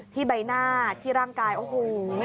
ใบหน้าที่ร่างกายโอ้โห